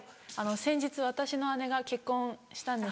先日私の姉が結婚したんですけど。